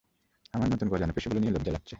আমার নতুন গজানো পেশীগুলো নিয়ে লজ্জা লাগছে।